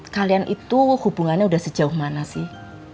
kalian itu hubungannya sudah sejauh mana sih